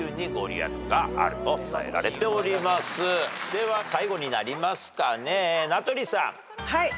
では最後になりますかね名取さん。